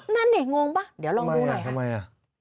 นั่นเนี่ยงงปะเดี๋ยวเราลองดูหน่อยทำไมอ่ะทำไมอ่ะ